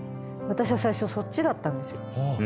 私は最初そっちだったんですよ。